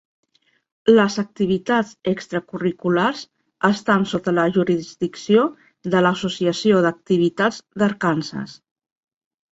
Les activitats extracurriculars estan sota la jurisdicció de l'Associació d'Activitats d'Arkansas.